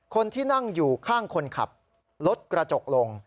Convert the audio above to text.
คนที่นั่งอยู่ข้างคนขับรถกระจกลง